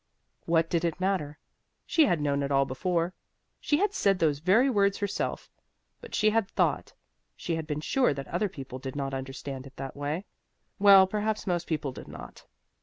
What did it matter? She had known it all before. She had said those very words herself. But she had thought she had been sure that other people did not understand it that way. Well, perhaps most people did not.